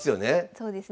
そうですね。